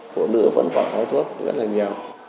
phụ nữ vẫn phải hít khói thuốc rất là nhiều